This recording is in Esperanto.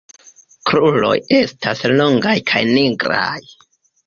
Kruroj estas longaj kaj nigraj.